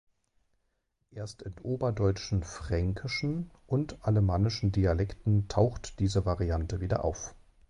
Erst in oberdeutschen fränkischen und alemannischen Dialekten taucht diese Variante wieder auf.